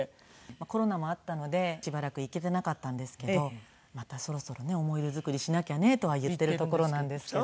コロナもあったのでしばらく行けていなかったんですけどまたそろそろね思い出作りしなきゃねとは言っているところなんですけどね。